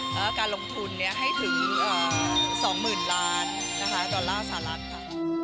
แล้วการลงทุนให้ถึง๒หมื่นล้านดอลลาร์สาหรัฐค่ะ